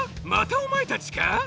またおまえたちか？